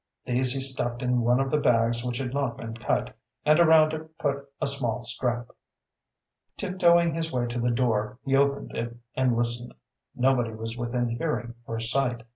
These he stuffed in one of the bags which had not been cut, and around it put a small strap. Tiptoeing his way to the door, he opened it and listened. Nobody was within hearing or sight.